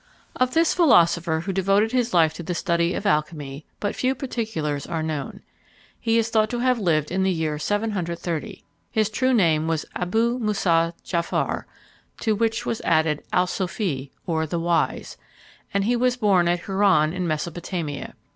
Of this philosopher, who devoted his life to the study of alchymy, but few particulars are known. He is thought to have lived in the year 730. His true name was Abou Moussah Djafar, to which was added Al Sofi, or "The Wise," and he was born at Houran, in Mesopotamia.